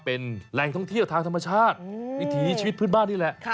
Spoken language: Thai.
เป็นแหล่งท่องเที่ยวทางธรรมชาติวิถีชีวิตพื้นบ้านนี่แหละ